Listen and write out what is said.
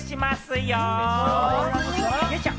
よいしょ！